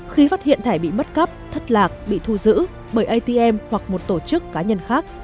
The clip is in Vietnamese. khi phát hiện thẻ bị mất cắp thất lạc bị thu giữ bởi atm hoặc một tổ chức cá nhân khác